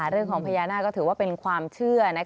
เรื่องของพญานาคก็ถือว่าเป็นความเชื่อ